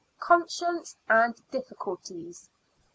CONSCIENCE AND DIFFICULTIES.